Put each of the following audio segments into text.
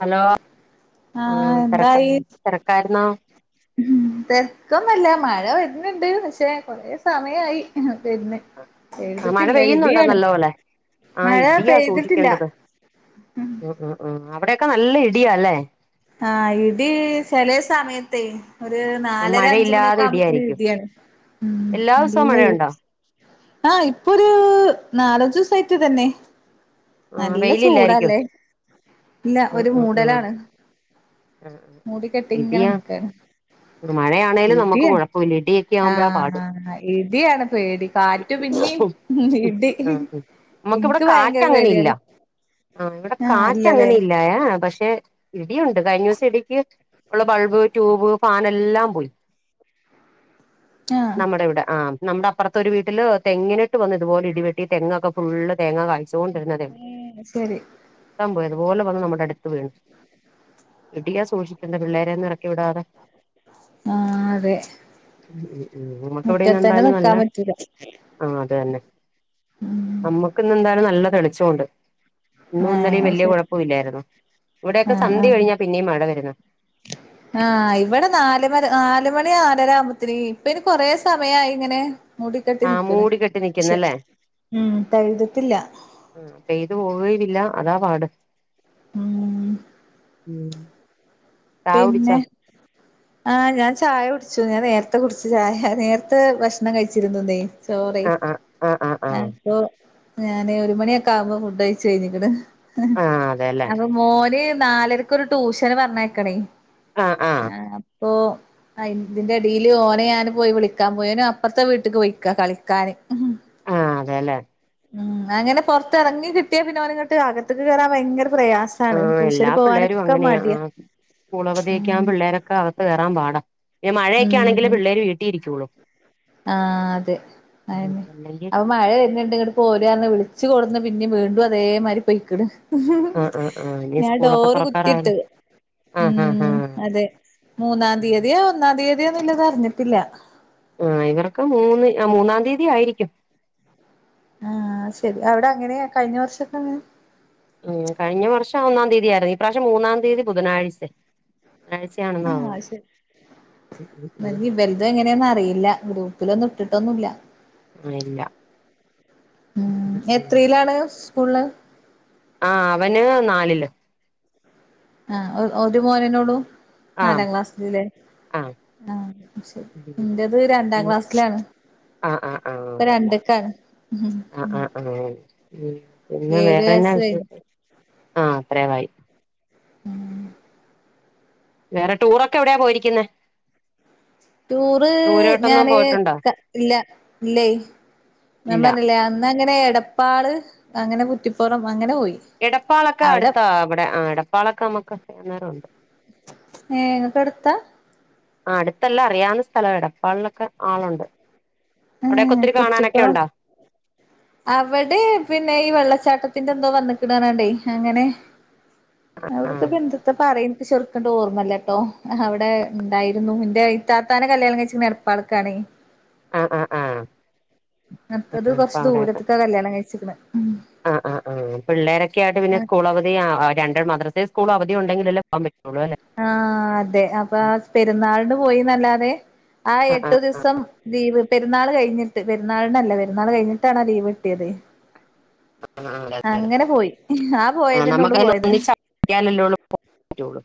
Hello ആഹ് തിരക്ക തിരക്കായിരുന്നോ ഉം തിരക്കൊന്നല്ല മഴ വരുന്നുണ്ട് പക്ഷേ കൊറേ സമയായി വന്ന് ആ മഴ പെയ്തിട്ടില്ല പെയ്യുന്നുണ്ടോ ഇടിയാണ് നല്ല പോലെ ആ മഴ ഇടിയാ പെയ്തിട്ടില്ല സൂക്ഷിക്കേണ്ടത് ഉം ഉം ഉം അവിടെക്കെ നല്ല ഇടിയാല്ലേ ആഹ് ഇടി ചെല സമയത്ത് ഒരു നാലര അഞ്ച് മഴയില്ലാതെ മണിയൊക്കെ ആവുമ്പോഴത്ത ഒരു ഇടിയായിരിക്കും ഇടിയാണ് ഉം എല്ലാ ദിവസവും നല്ലതി മഴയുണ്ടോ ആഹ് ഇപ്പൊ ഒരു നാലഞ്ച് ദിവസം ആയിട്ട് ഇതന്നെ ആ നല്ല വെയിലില്ലായിരിക്കും ചൂടല്ലേ ഇല്ല ഉം ഒരു ഉം ഉം മൂടലാണ് ആ മുടി കെട്ടി ഇങ്ങനെ ഇടിയാ നിക്കാണ് മഴയാണേലും ഇടി നമുക്ക് കുഴപ്പമില്ല ഇടിയൊക്കെ ആവുമ്പോഴാ പാട് ആഹ് ഇടിയാണ് പേടി കാറ്റും പിന്നിം ഇടി എനിക്ക് ഭയങ്ക കാറ്റങ്ങനെ ഇല്ല ആ ഇവിടെ ആഹ് കാറ്റ് ഇല്ലല്ലേ അങ്ങനെ ഇല്ല പക്ഷെ ഇടിയുണ്ട് കഴിഞ്ഞ ദിവസം ഇടിക്ക് ഉള്ള ബൾബ് ട്യൂബ് ഫാൻ എല്ലാം പോയി ആഹ് നമ്മുടെ ഇവിടെ ആഹ് നമ്മുടെ അപ്പുറത്തെ ഒരു വീട്ടില് തെങ്ങിനിട്ട് വന്ന് ഇതുപോലെ ഇടിവെട്ടി തെങ്ങൊക്കെ ഫുളള് തെങ്ങ് ക തോണ്ടിരുന്നതേ ഏഹ് ശരി ഇ പോയ അതുപോലെ വന്ന് നമ്മുടെ അടുത്ത് വീണു ഇടിയാ സൂക്ഷിക്കണ്ടത് പിള്ളേരെൊന്നും ഇറക്കി വിടാതെ ആഹ് അതെ [inaudible] ഉം നമ്മക്ക് ഇവിടെ മുറ്റത്തന്നെ എന്തായാലും നല്ല നിക്കാൻ പറ്റൂല ആഹ് അതന്നെ ഉം നമ്മുക്ക് ഇന്ന് എന്തായാലും നല്ല തെളിച്ചം ഉണ്ട് ഇന്നും ഏഹ് ഇന്നലും അത് വലിയ ശരി കുഴപ്പം ഇില്ലായിരുന്നു ഇവിടെൊക്കെ ആഹ് സന്ധ്യ ആഹ് കഴിഞ്ഞാൽ പിന്നെയും അവിടെ വരുന്നു ആഹ് ഇവിടെ നല് മ നാലുമണി നാലര ആവുമ്പത്തിന് ഇപ്പം ഇനി കൊറേ സമയായി ഇങ്ങനെ മൂടിക്കട്ടി ആ നിക്കന് മൂടി കെട്ടി പക്ഷെ നിക്കുന്നല്ലേ ഉം പെഴുതിട്ടില്ല ഉം ചെയ്ത് പോവുകയില്ല അതാ പാട് ഉം ഉം ചായ കുടിച്ചാ പിന്നെ ആഹ് ഞാൻ ചായ കുടിച്ചു ഞാൻ നേരത്തെ കുടിച്ചു ചായ നേരത്തെ ഭക്ഷണം കഴിച്ചിരുന്നു ഇന്നേ സോറി ആ ആ ആ ആ ആ അപ്പൊ ഞാന് ഒരു മണിയൊക്കെ ആവുമ്പോ ഫുഡ് അഴിച്ച് കഴിഞ്ഞക്ക്ണ് ആ അതെല്ലേ അപ്പൊ മോന് നാലരക്കൊരു ട്യൂഷന് പറഞ്ഞയക്കണേ ആ ആ ആഹ് അപ്പൊ ആഹ് ഇതിന്റെ എടീൽ ഓനെ ഞാന് പോയി വിളിക്കാൻ പോയി ഓന് അപ്പർത്തെ വീട്ട്ക്ക് പൊയിക്കാ കളിക്കാന്. ആഹ് അതെലെ ഉം അങ്ങനെ പൊർത്ത് അറങ്ങി കിട്ടിയാ പിന്നെ ഓന് ഇങ്ങെട്ട് അകത്ത്ക്ക് കേറാം ഭയങ്കര പ്രയാസ ആ ണ് ട്യൂഷെന് എല്ലാ പിള്ളേരും പോവാനൊക്കെ അങ്ങനെയാ ആ മടിയാ സ്കൂൾ അവധിയൊക്കെ ഉം ആകുമ്പം പിള്ളേൊരൊക്കെ അകത്ത് കേറാൻ പാടാ പിന്നെ മഴയൊക്കൊയാണെങ്കിലെ ഉം പിള്ളേര് വീട്ടി ഇരിക്കൊള്ളു ആഹ് അത് അയെന്നെ അല്ലെങ്കിൽ അപ്പം മഴ വെര്ൺണ്ട് ഇങ്ങ പോര് പർൺ വിൾച്ച് കൊട്ന്ന് പിന്നെ വീണ്ടും അതേമാതിരി പൊയിക്ക്ണ് ആഹ് ആഹ് ആഹ് ഇനി ഞാൻ സ്കൂളൊക്കെ ഡോറ് കുറ്റി തുറക്കാറായല്ലോ ഇട്ട് ആഹ് ആഹ് ഉം ആഹ് അതെ മൂന്നാം തീയ്യതിയോ ഒന്നാം തീയ്യതിയോന്ന് ഇല്ലെത് അർഞ്ഞ്ട്ട് ഇല്ല ആഹ് ഇവെർക്ക് മൂന്ന് ആഹ് മൂന്നാം തീയ്യതി ആയിരിക്കും ആഹ് ശരി അവ്ടെ അങ്ങനെ? കഴിഞ്ഞ വർഷൊക്കെ അങ്ങനെ? ഉം കഴിഞ്ഞ വർഷം ഒന്നാം തീയ്യിതി ആയിരുന്നു ഈ പ്രാവ്ശ്യം മൂന്നാം തീയ്യതി ബുധനാഴ്ച്ചെ ബുധനാഴ് ത്യാ ആണെന്നാ ആഹ് തോന്നുന്നേ അത് ശരി ഉം ഉം ഉം ഇത് എങ്ങനെയാന്ന് അറിയില്ലാ ഗ്രൂപ്പിലൊന്നും ഇട്ട്ട്ടൊന്നും ഇല്ല ആഹ് ഇല്ലാ. ഉം ഉം ആണ് സ് ക്കൂൾ ആഹ് അവന് നാലിൽ ആഹ് ഒ ഒരു മോനെന്നെ ഒള്ളു? ആഹ് നാലാം ക്ലാസ്സ്ക്ക്ലെ ആഹ് ആഹ് ശെരി ഇൻ്റെത് രണ്ടാം ക്ലാസ്സിലാണ്. ആഹ് ആഹ് ആഹ് ഇപ്പൊ അതെലെ രണ്ട്ക്കാണ് ഉം ആഹ് ആഹ് ആഹ് ഉം പിന്നെ ഏഴു വേറെ എന്നാ വയസ്സ് കഴിഞ്ഞു വിശേഷം? ആഹ് അത്രേവായി ഉം വേറെ ടൂറൊക്കെ എവ്ടെ പോയിരിക്കുന്നെ? ടൂറ് ദൂരോട്ടൊന്നും ഞാന് പോയിട്ടുണ്ടോ ക ഇല്ല ഇല്ലെയ് ഞാം ഇല്ല പർണിലെ അന്ന് അങ്ങനെ എടപ്പാൾ അങ്ങനെ കുറ്റിപ്പുറം അങ്ങനെ പോയി എടപ്പാളൊക്കെ അവിടെ അടുത്താ അവ്ടെ ആഹ് എടപ്പാളൊക്കെ അമ്മക്ക് അറിയുന്നോരും ഉണ്ട് ഏഹ് ഇങ്ങെക്ക് എട്ത്താ? ആഹ് അട്ത്ത് അല്ല അറിയാവുന്ന സ്ഥലാ എടപ്പാളിലൊക്കെ ആളു ഉണ്ട്. ഏഹ് കുറ്റിപ്പുറം അവ്ടിം പിന്നെ ഈ വെള്ളച്ചാട്ടത്തിന്റെ എന്തോ വന്ന്ക്ക്ണ് പർൺകാണ്ടെയ് അങ്ങനെ ആ അവ്ട്ക്ക് ഇപ്പം എന്ത്ത്താ പറിയാ ഇൻക്ക് ചൊ ക്ക് ആണ്ട് ഓർമ്മ ഇല്ലട്ടോ അവ്ടെ ഇണ്ടായിരുന്നു ഇന്റെ ഇത്താത്താനെ കല്യാണം കഴിച്ച്ക്ണെ എടപ്പാൾക്കാണെയ് ആഹ് ആഹ് ആഹ് അട്ത്തത് കൊർച്ച് ദൂരത്ത്ക്കാ കല്യാണം കഴിച്ച്ക്ക്ണെയ് ആഹ് ആഹ് ആഹ് പിള്ളേരൊക്കെയായിട്ട് പിന്നെ സ്കൂൾ അവ ധി ആഹ് രണ്ട് മദ്രസെം സ്കൂളും അവധിയുണ്ടെങ്കിൽ അല്ലെ പോവാം പറ്റു ഒള്ളു അല്ലെ? ആഹ് അതെ അപ്പ ആഹ് പെര്ന്നാളിന് പോയിന്ന് അല്ലാതെ ആ എട്ട് ദിവ്സം ലീവ് പെരുന്നാൾ കഴിഞ്ഞ്ട്ട് പെരുന്നാളിന് അല്ല പെരുന്നാൾ കഴിഞ്ഞിട്ടാണ് ആ ലീവ് കട്ടിയെതെയ് ആ അങ്ങനെ പോയി ആ പോയതെന്നെ ഒള്ളു പോയത്. ട്ടിയാൽ അല്ലെ ഒള്ളു പോ മരോള്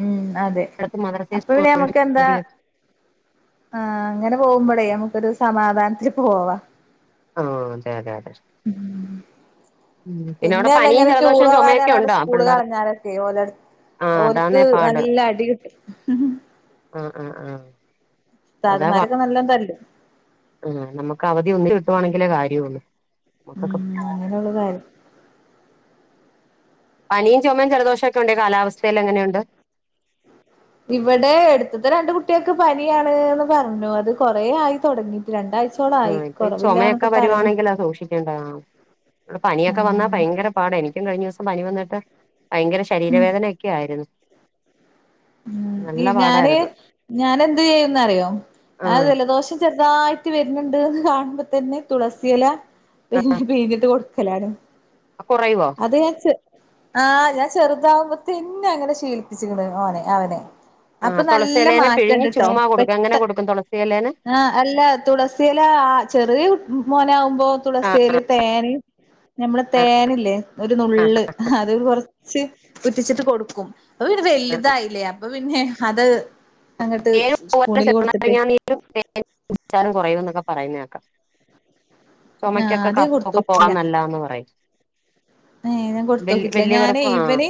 ഉം അതെ മദ്രസ അപ്പൊ സ്കൂൾ പിന്നെ ഞമ്മക്ക് എന്താ അവധിയ ആഹ് അങ്ങനെ പോകുമ്പളേ നമ്മക്കൊരു സമാധാനത്തില് പോവാ ആഹ് അതെ അതെ അതെ പിന്നെ അവിടെ പനിയും അല്ലെങ്കിലും ജലദോഷവും ടൂറോവാനാ ചുമയൊക്കെ പറഞ്ഞ്ങ്ങാണ്ട് ഉണ്ടോ സ്കൂള് പിള്ളേർ കളഞ്ഞാലൊക്കെയെ ഓലെട് ആ അതാന്നേ ഓലിക്ക് നല്ല അടി കിട്ടും ആഹ് ആഹ് ആഹ് ഉസ്താത്മാരൊക്കെ നല്ലോ തല്ലും ആഹ് നമ്മക്ക് അവധി ഒന്നിച്ച് കിട്ടുവാണെങ്കിലെ കാര്യ ഒള്ളൂ നമുക്കൊക്കെ അങ്ങനെ ഒള്ളതായിരുന്ന് പനിയും ചൊമയും ജലദോഷവൊക്കെ ഒണ്ടെ ഈ കാലാവസ്ഥയിൽ എങ്ങനെയൊണ്ട് ഇവിടെ എടുത്തത്തെ രണ്ട് കുട്ടിയേക്ക് പനിയാണ്ന്ന് പറഞ്ഞു അത് കൊറെ ആയി തൊടങ്ങീട്ട് രണ്ടാഴ്ച്ച ആഹ് ഇപ്പ ഈ ചൊമയൊക്കെ വരുവാണെങ്കിലാ സൂക്ഷി ക്കണ്ടെ ആഹ് ഇവടെ പനിയൊക്കെ വന്നാ ആഹ് ഭയങ്കര പാടാ എനിക്കും കഴിഞ്ഞ ദിവസം പനി വന്നിട്ട് ഭയങ്കര ഉം ശരീരവേദനയെക്കെ ആയിരുന്നു ഉം ഈ നല്ല ഞാന് പാടായിരുന്നു ഞാനെന്ത് ചെയ്യുന്നറിയോ ആ ആഹ് ജലദോഷം ചെർതായിറ്റ് വെരുന്ന്ണ്ട്ന്ന് കാണുമ്പോ തന്നെ തൊളസി എല പിന്നെ പിഞ്ഞട്ട് കൊടുക്കലാണ് ആ കൊറയുവോ അത് ഇങ്ങനെ ചെ ആഹ് ഞാൻ ചെറുതാവുമ്പത്തന്നെ അങ്ങനെ ശീലിപ്പിച്ച്ക്കണ് ഓനെ അവനെ ആ അപ്പൊ നല്ല തുളസിയിലേനെ പിഴിഞ്ഞ് മാറ്റണ്ട്ട്ടോ ചുമ്മാ കൊടുക്കും എങ്ങനെ പെട്ട കൊടുക്കും തുളസിയിലേനെ ആഹ് അല്ല തുളസിയെല ആഹ് ചെറിയ കുട്ട് മോനാവുമ്പ മ്പോ ആ തുളസിയെലയും തേന് പിന്നെ ഞമ്മളെ ആ തേനില്ലേ? ഒരു ആ നുള്ള് അത് കൊറച്ച് ഉറ്റിച്ചിട്ട് കൊടുക്കും ഓര് വെല്തായില്ലേ അപ് അപ്പൊ പിന്നെ അത് അങ്ങട്ട് തേനും അതുപോലെ സ്പൂണില് കൊടുത്തിട്ട് ചെറുനാരങ്ങാ നീരും തേനും കുടിച്ചാലും കൊറയൂന്നൊക്കെ പറയുന്ന കേക്കാം ആഹ് ചൊമയ്ക്കൊക്കെ ആദ്യം കഫൊക്കെ പോകാൻ കൊടുത്തോക്കിട്ടില്ല നല്ലാന്ന് പറയും ഏഹ് ഞാൻ വല്യ കൊടുത്തോക്കിട്ടില്ലാ ഞാന് വലിയവർക്കും ആ ഇവന്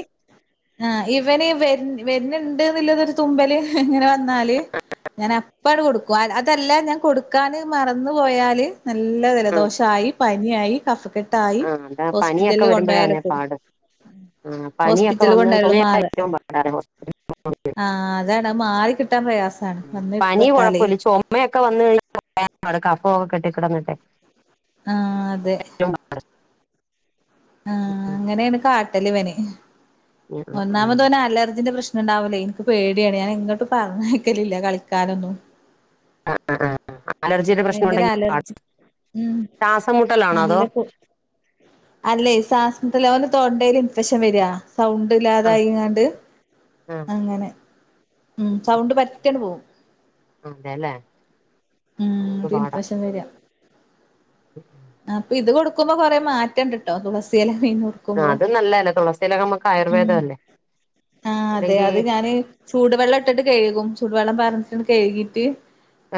ആഹ് ഇവന് വെര് വെര്ന്ന്ണ്ട്ന്ന്ള്ളതൊരു തുമ്പല് ഇങ്ങനെ വന്നാല് ഞാൻ അപ്പാട് കൊടുക്കും അതല്ലാ ഞാൻ കൊടുക്കാന് മറന്നു പോയാല് നല്ല ആ ജലദോഷായി പനിയായി കഫക്കെട്ടായി ആ അതാ ഹോസ്പിറ്റലിൽ കൊണ്ടു പോയാലെ പോവു ഉം ആഹ് പനിയൊക്കെ വന്നാ ചൊമയാ ഏറ്റവും പാട് ഹോസ്പ്പിറ്റലീ [unintelligible] ആഹ് അതാണ് അത് മാറി കിട്ടാൻ പ്രയാസാണ് വന്ന് പെട്ടാലേ [unintelligible] ചൊമയൊക്കെ വന്ന് കഴിഞ്ഞാ [unintelligible] കഫൊക്കെ കെട്ടികെടന്നിട്ടെ ആഹ് അതെ ഉം യാണ് കാട്ടലിവന് ഉം ഉം ഉം ഒന്നാമത് ഓന് അലർജിന്റെ പ്രശ് ണ്ടാവൂലേ എൻക്ക് പേടിയാണ് ഞാൻ എങ്ങട്ടും പറഞ്ഞയക്കലില്ലാ കളിക്കാനൊന്നും ആഹ് ആഹ് അലർജിടെ പ്രശ്നം ഭയങ്കര ഒണ്ടെങ്കി പാടാ അലർജി ഉം ശ്വാസം മുട്ടലാണോ നല്ല അതോ [unintelligible] അല്ലേ സ്വാസ്മുട്ടല് ഓന് തൊണ്ടേല് ഇൻഫെക്ഷൻ വെരാ സൗണ്ട് ആ ഇല്ലാതായിങ്ങാണ്ട് ആ അങ്ങനെ ഉം സൗണ്ട് പറ്റെയാണ്ട് പോവും അതെല്ലേ അതുകൊണ്ട് പാടാ വേണ്ടിയാ ഇത് കൊട് കൊടുക്കുമ്പോ കുറേ മാറ്റണ്ടിട്ടോ തുളസിയിലെ മീന ആ ുമ്പോ അത് നല്ലതല്ലേ തുളസിയിലൊക്കെ നമുക്ക് ഉ ആയുർവേദം അല്ലേ ആ അതെ അല്ലെങ്കിൽ അത് ഞാന് ചൂടുവെള്ളം ഇട്ടിട്ട് കഴുകും ചൂടുവെള്ളം പറഞ്ഞിട്ട കഴുകിട്ട്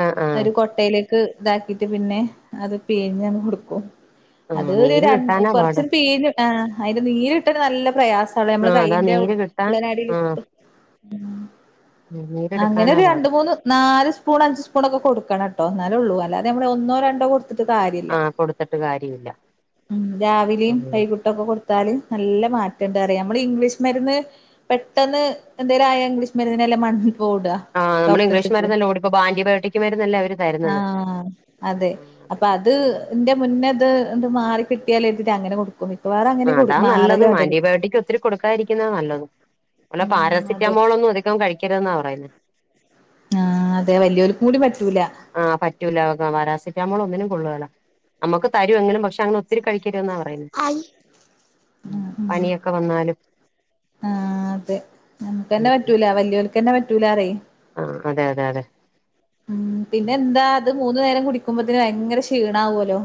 ആ ആ കൊട്ടയിലേക്ക് ഇതാക്കിട്ട് പിന്നെ അത് പിയിഞ്ഞങ്ങ് കൊടുക്കും ആ അത് ഒരു നീര് കിട്ടാനാ പാട് കൊറച്ചോരു പിഴിഞ്ഞ് ആഹ് അതിന്റെ നീര് കിട്ടൻ നല്ല പ്രയാസ നമ്മള് ആ അതാ കയ്യിന്റെ നീര് കിട്ടാൻ ഉള്ളനാടിൽ ആ വച്ചിട്ട് ഉം നീരെടുക്കാനാ അങ്ങനൊരു രണ്ട്‌ പാട് മൂന്ന് നാല് സ്പൂൺ അഞ്ച് സ്പൂണൊക്കെ കൊടുക്കണം ട്ടോ എന്നാലെ ഉള്ളൂ അല്ലതെ നമ്മൾ ഒന്നോ രണ്ടോ കൊടു തിട്ട് കാര്യയില്ല ആ കൊടുത്തിട്ട് കാര്യമില്ല ഉം രാവിലെയും ഉം വയ്കു ട്ടൊക്കെ കൊടുത്തല് നല്ല മാറ്റണ്ട് അറിയാം നമ്മള് ഇംഗ്ലീഷ് മരുന്ന് പെട്ടെന്ന് എന്തോലും ആയാ ഇംഗ്ലീഷ് മരുന്നിന്നല്ലേ [unintelligible] ആഹ് നമ്മള് ഇംഗ്ലീഷ് മരുന്നല്ലോടി ഇപ്പോ ആന്റിബയോട്ടിക്ക് മരുന്നല്ലേ അവര് തരുന്നത് ആഹ് അതെ ആഹ് അതെ അപ്പൊ അത് ആഹ് ന്റെ മുന്നേത് എത് മാറി കിട്ടിയാല ഇതി അങ്ങനെ കൊടുക്ക കുമിക്കാവാറ അതാ നല്ലതും ആന്റിബയോട്ടിക്ക് ഒത്തിരി കൊടുക്കാതിരിക്കുന്ന നല്ലതും അല്ല ഉം അതെ പാരസിറ്റമോൾ ഒന്നും അധികം കഴിക്കരുതെന്നാ പറയുന്നെ ആഹ് അതെ വലിയൊലിക്കു കൂടി പറ്റൂല ആഹ് പറ്റൂല പാരാസിറ്റമോൾ ഒന്നിനും കൊള്ളൂല നമുക്ക് തരും എങ്കിലും പക്ഷെ അങ്ങനെ ഒത്തിരി കഴിക്ക രുതെന്ന പറയുന്നെ ഉം പനിയൊക്കെ വന്നാലും ആഹ് അതെ നമുക്ക്ന്നെ പറ്റൂല വലിയോലക്ക്ന്നെ പറ്റൂല പറ ആഹ് അതെ അതെ അതെ ഉം പിന്നെ എന്താ അത് മൂന്നു നേരം കുടിക്കുമ്പോതിന് ഭയങ്കര ക്ഷീണ ആവുല്ലോ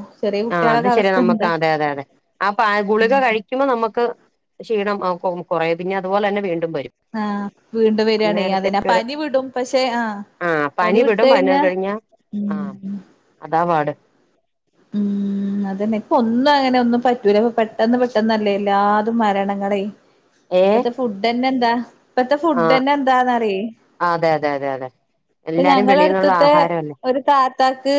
ആഹ് അത് ശെരി നമുക്ക് അതെ അതെ അതെ അപ്പാ ഗുളിക ഉം കഴിക്ക ക്കുമ്പോ നമുക്ക് ക്ഷീണം ആഹ് ആ കുറയും പിന്നെ അതുപോലെ തന്നെ വീണ്ടും വരും ആഹ് വീണ്ടും വരിയാണെ അന്നേരത്തെ അതിനാ പനി വിടും പക്ഷെ ആഹ് പനി വിട്ട് വിടും പനി കഴിഞ്ഞാ കഴിഞ്ഞ ഉം ആഹ് ഉം അതാ പാട് ഉം അതന്നെ ഇപ്പ ഒന്നും അങ്ങനെ ഒന്നും പറ്റൂല ഇപ്പ പെട്ടന്ന് പെട്ടെന്ന്ല്ലേല്ലാ മരണങ്ങളെ ഏഹ് ഇപ്പത്തെ ഫുഡ്ന്നെ എന്താ ഇപ്പത്തെ ഫുഡ്ന്നെ എന്താന്ന്റിയെ ആഹ് അതെ അതെ അതെ അതെ ഇപ്പ എല്ലാരും ഞങ്ങള വെളിയിന്നുള്ള അടുത്തത്തെ ആഹാരമല്ലേ ഒരു താത്താക്ക്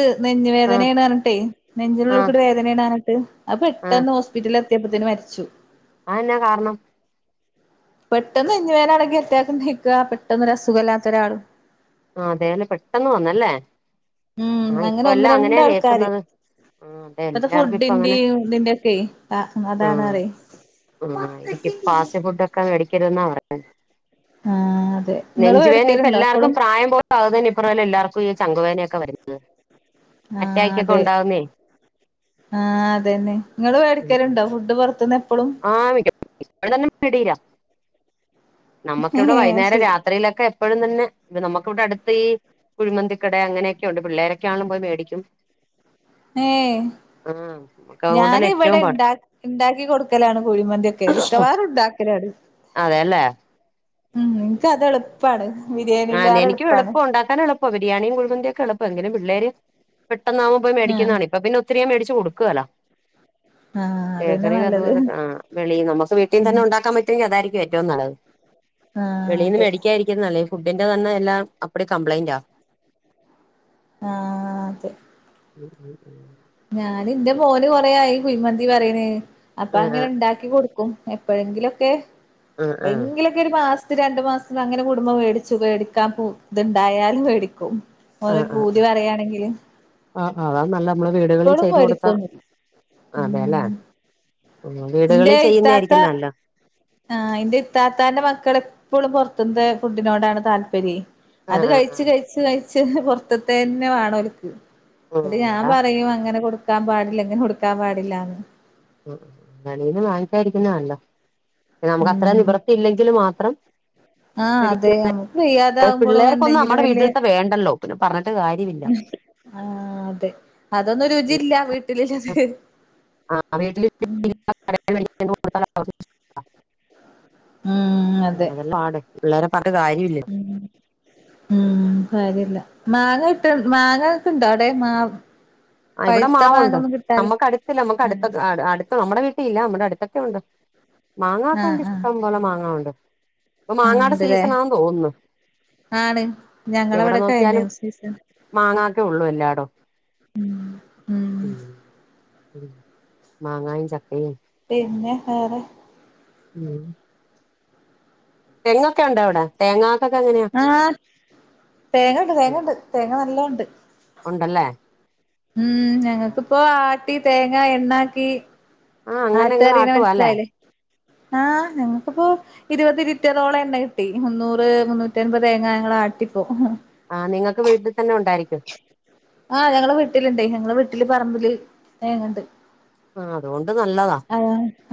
ആഹ് നെഞ്ഞുവേദനയാണ് പറഞ്ഞിട്ടെ നെഞ്ചിലുള്ളിൽ ആഹ് കൂടി വേദന ഇണാനിട്ട് അപ്പ ആഹ് പെട്ടന്ന് ഹോസ്പിറ്റലിൽ എത്തിയപ്പത്തേന് മരിച്ചു അയെന്ന കാരണം പെട്ടെന്ന് നെഞ്ച് വേദന വന്ന് അറ്റാക്ക് കേക്കുക പെട്ടെന്ന് അസുഖമല്ലാത്ത ഒരാൾ ആഹ് അതേനേ പെട്ടന്ന് വന്നല്ലേ ഉം ആഹ് ഇപ്പ അങ്ങന ഒന്ന് എല്ലാം അങ്ങനെയാ രണ്ടാൾക്കാര് കേക്കുന്നത് ആഹ് അതെ ഇപ്പത്തെ എല്ലാർക്കും ഇപ്പ അങ്ങനെ ഫുഡിന്റെയും ഇതിന്റെ ഒക്കെ ആഹ് അതാണ് അറെ ഉം ആയിരിക്കും പാസ്റ്റ് ഫുഡ്‌ഒക്കെ മേടിക്കരുതെന്നാ പറ ആഹ് അതെ ഇങ്ങള് നെഞ്ചുവേദന ഇപ്പ വേടിക്കലുണ്ടോ എല്ലാർക്കും എപ്പളും പ്രായം പോലും അത്തന്നെപ്പ പറഞ്ഞല്ല എല്ലാവർക്കും ഈ ചങ്കുവേദനയൊക്കെ വരുന്നത് ആഹ് അറ്റാക്കൊക്കെ അതെ ഉണ്ടാവുന്നേ ആഹ് അതെന്നെ നിങ്ങള് മേടിക്കലുണ്ടോ ഫുഡ് പുറത്തുന്ന് എപ്പളും ആ മിക്കപ്പോഴും ആവിടെതന്നെ മെഡിര നമ്മുക്കിവിടെ ഏഹ് അത് വൈകുന്നേരം ശരി രാത്രിലൊക്കെ ഇപ്പോഴും തന്നെ ഇ നമുക്കിവിടെ അടുത്ത ഈ കുഴിമന്തിക്കട അങ്ങനെയൊക്കെ ഉണ്ട് പിള്ളേരൊക്കെണുമ്പോ മേടിക്കും ഏഹ് ആഹ് നമുക്ക് ഞാന് അതുകൊണ്ടല്ലേ ഇവിടെ ഏറ്റവും പാട് ഇണ്ടാക്ക ഇണ്ടാക്കി കൊടുക്കലാണ് കുഴിമന്തി ഒക്കെ മിക്കവാറുംഉണ്ടാക്കലാണ് ഉം എനിക്ക് അത് അതേല്ലേ എളുപ്പാണ് ആഹ് ബിരിയാണിയിലേറെ എനിക്ക് എളുപ്പാണ് എളുപ്പം ഉണ്ടാക്കാൻ എളു അപ്പോ ബിരിയാണിയും കുഴിമന്തിയൊക്കെ എളപ്പ എങ്കിലും പിള്ളേര് പെട്ടെന്നാവുമ്പോ ആഹ് മേടിക്കുന്നാണ്പ്പ പിന്നെ ഒത്തിരി ഞ മേടിച്ച് കൊടുക്കേല ആഹ് അതന്നെ ബേക്കറിയ നല്ലത് അതുപോലെ ആഹ് വെളി നമുക്ക് വീട്ടീ തന്നെ ഉണ്ടാക്കാൻ പറ്റ അതാരിക്കും ഏറ്റവും നല്ലത് ആഹ് വെളിന്ന് അതെ മേടിക്കായിരിക്കും നല്ലേ ത് ഫുഡിന്റെ തന്നെ എല്ലാം അപ്പിടി കംപ്ലയിന്റാ ആഹ അതെ ഉം ഉം ഉം ഞാന് ഇന്റെ മോന് കൊറേ യായി കുയ്മന്തി പറെണ് അപ്പ ആഹ് അങ്ങനെണ്ടാക്കി.. ക്ക്കി കൊടുക്കും എപ്പോഴെങ്കിലൊക്കെ ആഹ് ആഹ് എപെയെങ്കില... അ ഒരു മാസത്തി രണ്ടു മാസത്തി അങ്ങനെ കുടുംബം മേടിച്ചു മേടിക്കാൻ ഇത്ണ്ടായാല് മേടിക്കും ഓര പൂതി പറയാണെങ്കില് അ ആ അതാ നല്ല നമ്മള് വീടുകളിൽ ഇപ്പളും ചെയ്ത് കൊടുത്ത മേടിക്കൊന്നുല്ല അതെല്ലെ ഉം ഓ വീടുകളിചെയ്യുന്നയ് ചെയ്യുന്നായിരിക്കും നല്ലത് ആ ഇന്റെ ഇത്താത്താന്റെ മക്കള് എപ്പളും പൊറത്ത്‌ത്ത ഫുഡിനോടാണ് താല്പര്യം അത് ആഹ് ആഹ് കഴിച്ചു ആഹ് കഴിച് കഴച്ച് പൊറത്ത് തന്നെ വേണൊ ഓൽക്ക് ഉം ന്നട്ട് ഞാൻ അതാ പറയും അങ്ങനെ കൊടുക്കാൻ പാടില്ല ഇങ്ങനെ കൊടുക്കാൻ പാടില്ലാന്ന് കടേന്ന് വാങ്ങിച്ചാതിരിക്കുന്ന നല്ലത് നമുക്ക് അത്ര ഉം നിവൃത്തി ഇല്ലെങ്കില് മാത്രം ആഹ് അതെ പടിക്ക നമുക്ക് വെയ്യാതാവുമ്പോഴും പിള്ളേർക്കൊന്നും എന്തെങ്കിലും നമ്മടെ വല്യ വീട്ടിലത്തെ വേണ്ടല്ലോ പിന്നെ പറഞ്ഞിട്ട് കാര്യഇല്ല ആ അതെ അതൊന്നും രുചില്ല വീ.. [inaudible] ഉം ഉം അതെല്ലാം ആടെ പിള്ളേരെ പറഞ്ഞട്ട് കാര്യം ഇല്ല ഉം ഉം കരിയല്ല. മാങ്ങട്ട മാങ്ങ ഒക്കെ ഇണ്ടോ അവിടെ മാ.. ഇവിടെ പഴുത്ത മാവുണ്ട്. മാങ്ങൊന്നും കിട്ടാല് നമ്മുക്ക് അടുത്തില്ല നമ്മുക്ക് അടുത്ത ആഹ് അടുത്ത നമ്മുടെ വീട്ടില്ല നമ്മടെ അടുത്തൊക്കെ ഉണ്ട് മാങ്ങ ആഹ് ഒക്കെണ്ട് ആഹ് ഇഷ്ടം പോലെ മാങ്ങ ഉണ്ട് ഇപ്പൊ ആഹ് മാങ്ങടെ ഉണ്ട്ല്ലേ സീസൺാണെന്ന് തോന്നുന്നു ആണ് എവിടെ ഞങ്ങളവിടെ നോക്കിയാലും കഴിഞ്ഞേന് സീസൺ മാങ്ങക്കെ ഉള്ളൂ എല്ലാടോ ഉം ഉ ഉ മാങ്ങായും ചക്കയും പിന്നെ വേറെ ഉം തെങ്ങൊക്കെ ഉണ്ടോവിടെ തേങ്ങക്കെങ്ങനെയാണ് ആ് തേങ്ങ ഇണ്ട് തേങ്ങ ഉം. ഇണ്ട് തേങ്ങ നല്ലോംണ്ട് ഉണ്ടല്ലേ ഉം ആ, ഞങ്ങക്കിപ്പോ ആട്ടി തേങ്ങ എണ്ണാട്ടി ആ അങ്ങനെ നിങ്ങൾ അട്ടറിനെ ആട്ടുവാ അല്ലേ മനസ്സിലായില്ലേ ആഹ് ങ്ങക്കിപ്പോ ഇരുപത് ലിറ്ററൊളം എണ്ണ കിട്ടി. മുന്നൂറ് മുന്നൂറ്റി അൻപതെങ്ങ ഞങ്ങളാട്ടിപ്പോ ആ നിങ്ങൾക്ക് വീട്ടി തന്നെ ഉണ്ടായിരിക്കും ആഹ് ഞങ്ങളെ വീട്ടില്ണ്ട് ഞങ്ങള് വീട്ടില് പറമ്പില് തെങ്ങണ്ട്. ആ അതുകൊണ്ട് നല്ലതാ ആ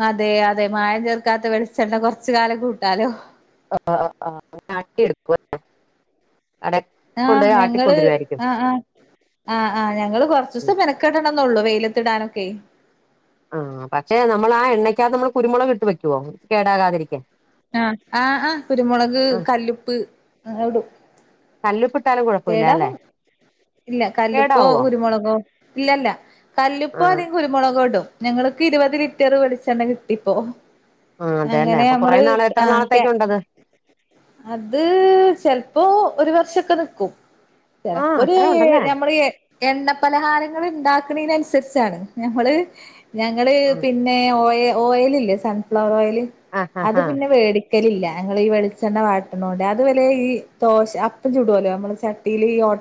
അതെ അതെ മായം ചേർക്കാത്ത വെളിച്ചെണ്ണ കുറച് കാലം കൂട്ടാലോ. ആ് ആ നാട്ടിയ എടുക്കുംട ആഹ് ഞങ്ങള് ആഹ ആഹ ആഹ് ആഹ ഞങ്ങള് കുറച്സം മെ നക്കെട്ടണംന്നെ ഉള്ളൂ വെയിലത്തിടാനൊക്കെ. ആ് പക്ഷെ നമ്മള് ആ എണ്ണയ്ക്കകത്ത്‌ നമ്മള് കുരുമുളക് ഇട്ട് വെക്കുവോ കേടാകാതിരിക്കെ ആ ആഹ് ആ് കുരുമുളക് കല്ലുപ്പ് അത് ഇടും. തല്ലുപ്പുട്ടാലും കൊ കേടാവും. ഇല്ല കല്ലുപ്പോ കേടാവോ കുരുമുളകോ ഇല്ലല്ല ആ കല്ലുപ്പോ അതെ കുരു മുളകോടും ഞങ്ങൾക്ക് ഇരുപത് ലിറ്ററ് വെളിച്ചെണ്ണ കിട്ടിപ്പോ ആ അതെല്ലേ അങ്ങനെ അപ്പൊ കൊറേ നമ്മള് നാള് എത്ര ആ നാളത്തേക്കുണ്ടത് അത് ചെലപ്പോ ഒരു വർഷൊക്കെ നിക്കും. ആ ചെലപ്പോര് അത്രേ ഉണ്ടല്ലേ നമ്മള് എണ്ണ പലഹാരങ്ങൾ ഉണ്ടാക്കുന്നതിനനുസരിച്ചാണ്. ഞമ്മള് ഞങ്ങള് പിന് പിന്നെ ഓയ ഓയില് ഇല്ലേ സൺഫ്ലവർ ഓയില്? ആ ആ അത് ആ പിന്നെ വേടിക് വക്കലില്ല. ഞങ്ങൾ ഈ വെളിച്ചെണ്ണ വാട്ടണോണ്ട്. അതുപോലെ ഈ ദോശ അപ്പം ചുടുവല്ലോ? നമ്മള്. ചട്ടിയില് ഈ ഓട്ട